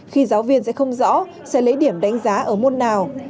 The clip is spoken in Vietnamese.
khi giáo viên sẽ không rõ sẽ lấy điểm đánh giá ở môn nào